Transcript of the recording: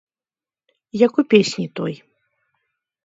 Як у песні той.